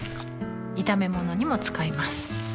炒め物にも使います